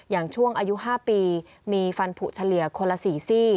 อย่างช่วงอายุ๕ปีมีฟันผูเฉลี่ยคนละ๔ซี่